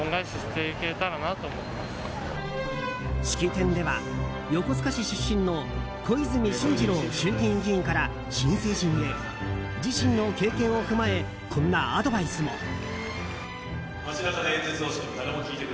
式典では横須賀市出身の小泉進次郎衆議院議員から新成人へ自身の経験を踏まえこんなアドバイスも。